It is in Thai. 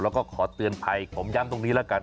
แล้วก็ขอเตือนภัยผมย้ำตรงนี้แล้วกัน